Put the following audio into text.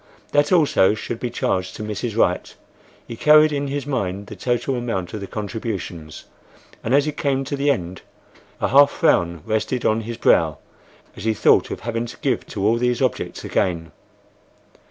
That also should be charged to Mrs. Wright. He carried in his mind the total amount of the contributions, and as he came to the end a half frown rested on his brow as he thought of having to give to all these objects again.